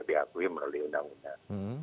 diakui melalui undang undang